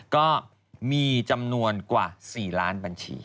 ก็มีจำนวนกว่า๔ล้านบัญชี